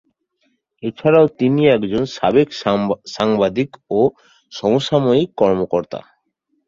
এছাড়াও তিনি একজন সাবেক সাংবাদিক ও সামরিক কর্মকর্তা।